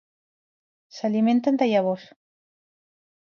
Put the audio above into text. S'alimenten de llavors.